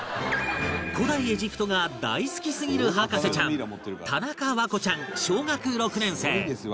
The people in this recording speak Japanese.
古代エジプトが大好きすぎる博士ちゃん田中環子ちゃん小学６年生